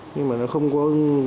nhưng mà nó không có